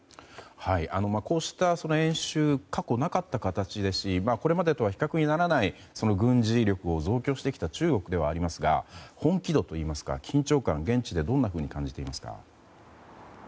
こうした演習過去なかった形ですしこれまでとは比較にならない軍事力を増強してきた中国ではありますが本気度というか緊張感は現地でどう感じていますか。